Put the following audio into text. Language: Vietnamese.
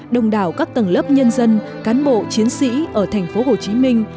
đồng đảo các tầng lớp nhân dân cán bộ chiến sĩ ở thành phố hồ chí minh